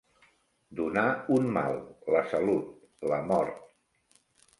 Donar un mal, la salut, la mort.